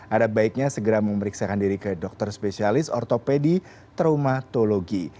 ada baiknya segera memeriksakan diri ke dokter spesialis ortopedi traumatologi